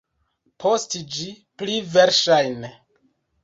Post ĝi, pli verŝajne.